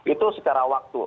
itu secara waktu